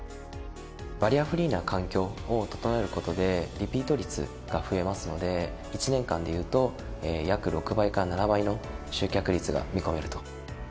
バリアフリーな環境を整える事でリピート率が増えますので１年間でいうと約６倍から７倍の集客率が見込めると。